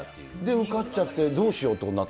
受かっちゃってどうしようっまあ